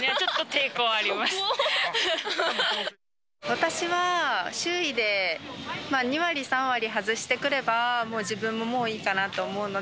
私は、周囲で２割、３割外してくれば、もう、自分ももういいかなと思うので。